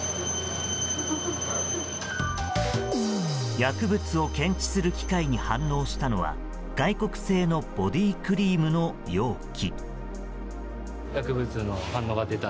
薬物を検知する機械に反応したのは外国製のボディークリームの容器。